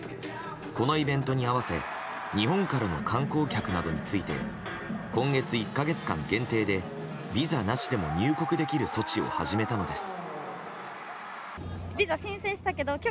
このイベントに合わせ日本からの観光客などについて今月１か月間限定でビザなしでも入国できる措置を始めたのです。